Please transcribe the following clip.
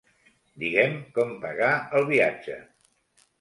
Digue'm com pagar el viatge.